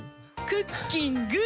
クッキング！